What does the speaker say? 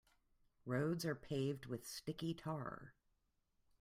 Roads are paved with sticky tar.